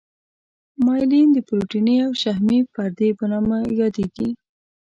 مایلین د پروتیني او شحمي پردې په نامه یادیږي.